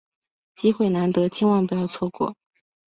机会难得，千万不要错过！